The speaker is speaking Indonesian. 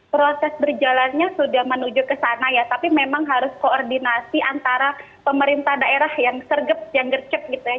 proses berjalannya sudah menuju ke sana ya tapi memang harus koordinasi antara pemerintah daerah yang sergep yang gercep gitu ya